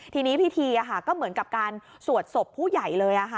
ทีนี้พิธีอ่ะค่ะก็เหมือนกับการสวดศพผู้ใหญ่เลยอ่ะค่ะ